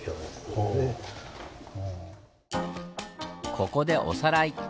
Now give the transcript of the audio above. ここでおさらい。